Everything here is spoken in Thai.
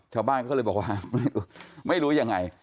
ชาวบ้านก็เลยบอกว่าไม่รู้ยังไง